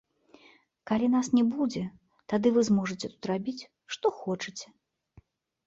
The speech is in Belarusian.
Калі нас не будзе, тады вы зможаце тут рабіць, што хочаце.